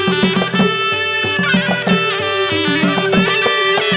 โปรดติดตามต่อไป